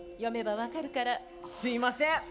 すいません。